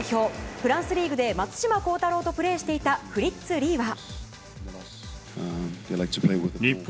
フランスリーグで松島幸太朗とプレーをしていたフリッツ・リーは。